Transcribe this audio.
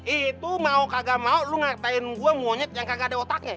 itu mau kagak mau lu ngartain gue monyet yang kagak ada otaknya